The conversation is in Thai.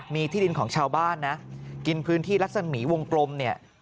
มีที่ดินของชาวบ้านนะกินพื้นที่ลักษณะมีวงกลมเนี่ย